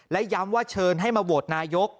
และย้ำว่าเชิญให้มาโหวตนายก